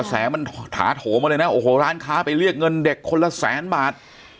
แสมันถาโถมาเลยนะโอ้โหร้านค้าไปเรียกเงินเด็กคนละแสนบาท